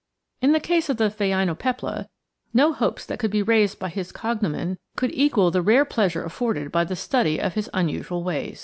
In the case of the phainopepla, no hopes that could be raised by his cognomen would equal the rare pleasure afforded by a study of his unusual ways.